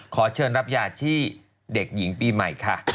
ขอเชิญรับยาที่เด็กหญิงปีใหม่ค่ะ